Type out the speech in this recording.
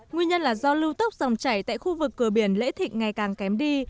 nguyên nhân là do lưu tốc dòng chảy tại khu vực cửa biển lễ thịnh ngày càng kém đi